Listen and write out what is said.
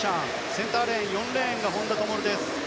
センターレーン４レーンが本多灯。